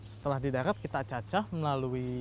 setelah di darat kita cacah melalui